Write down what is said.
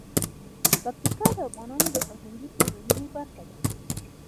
پکتیا د افغانانو د فرهنګي پیژندنې برخه ده.